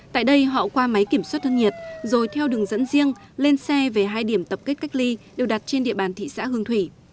tại đây họ qua máy kiểm soát thân nhiệt rồi theo đường dẫn riêng lên xe về hai điểm tập kết cách ly đều đặt trên địa bàn thị xã hương thủy